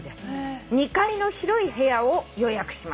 「２階の広い部屋を予約します。